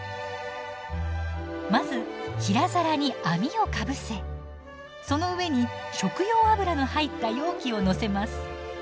まず平皿に網をかぶせその上に食用油の入った容器を載せます。